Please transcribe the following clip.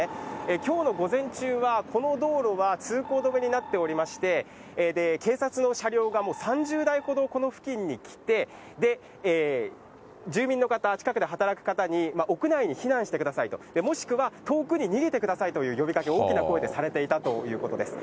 きょうの午前中は、この道路は通行止めになっておりまして、警察の車両がもう３０台ほど、この付近に来て、住民の方、近くで働く方に屋内避難してくださいと、もしくは遠くに逃げてくださいという呼びかけ、大きな声でされていたということです。